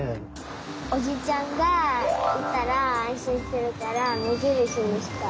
おじちゃんがいたらあんしんするからめじるしにしたい。